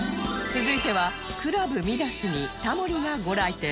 続いてはクラブミダスにタモリがご来店